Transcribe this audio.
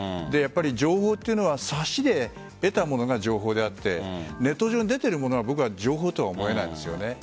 情報というのはサシで得たものが情報であってネット上に出ているものが情報とは思えないんです。